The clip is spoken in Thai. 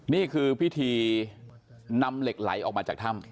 นี่คือพิธีนำเหล็กไหลออกมาจากถ้ำ